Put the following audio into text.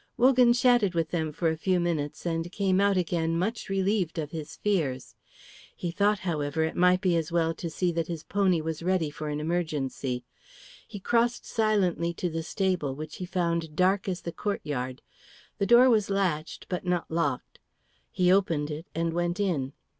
Wogan chatted with them for a few minutes and came out again much relieved of his fears. He thought, however, it might be as well to see that his pony was ready for an emergency. He crossed silently to the stable, which he found dark as the courtyard. The door was latched, but not locked. He opened it and went in.